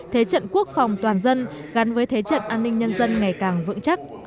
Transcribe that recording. thế trận quốc phòng toàn dân gắn với thế trận an ninh nhân dân ngày càng vững chắc